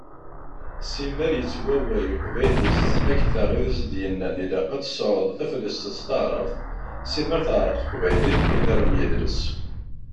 Simmal yettwaway uqbayli s tesnakta i as-d-yennan ilaq ad tesɛuḍ taflest s teɛrabt, simmal tɛerreq teqbaylit, iderrem yidles.